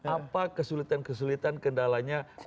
apa kesulitan kesulitan kendalanya